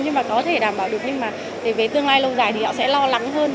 nhưng mà có thể đảm bảo được nhưng mà về tương lai lâu dài thì họ sẽ lo lắng hơn